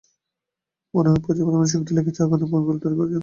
মনে হয় প্রচুর পরিমাণ শক্তি লেগেছে, আগুনের বলগুলো তৈরি করার জন্য।